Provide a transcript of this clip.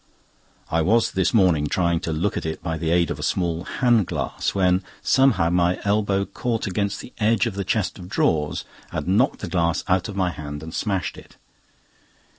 I was this morning trying to look at it by the aid of a small hand glass, when somehow my elbow caught against the edge of the chest of drawers and knocked the glass out of my hand and smashed it.